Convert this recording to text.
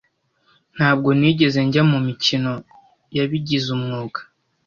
Ntabwo nigeze njya mumikino yabigize umwuga.